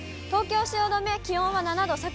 東京・汐留、気温は７度。